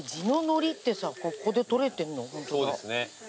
そうですね。